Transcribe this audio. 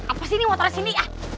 apa sih nih mau taro sini